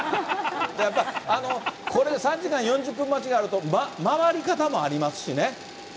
あの、これ３時間、４時間待ちがあると、回り方もありますしね。